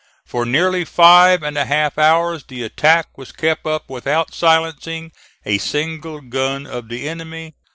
For nearly five and a half hours the attack was kept up without silencing a single gun of the enemy.